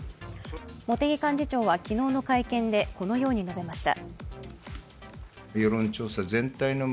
茂木幹事長は昨日の会見でこのように述べました。